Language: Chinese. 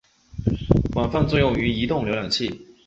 广泛作用于移动浏览器。